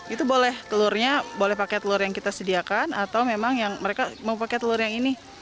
itu boleh telurnya boleh pakai telur yang kita sediakan atau memang yang mereka mau pakai telur yang ini